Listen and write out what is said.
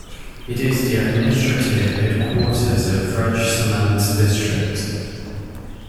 It is the administrative headquarters of Rajsamand District.